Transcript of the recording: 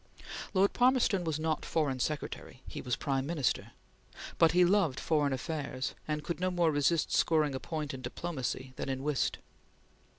Lord Palmerston was not Foreign Secretary; he was Prime Minister, but he loved foreign affairs and could no more resist scoring a point in diplomacy than in whist.